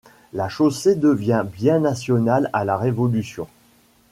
La Chaussée devient bien national à la Révolution.